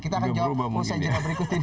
kita akan jawab di proses jadwal berikut ini